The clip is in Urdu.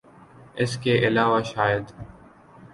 اس کے علاوہ شاید آ